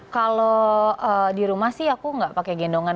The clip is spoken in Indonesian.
kalau di rumah sih aku nggak pakai gendongan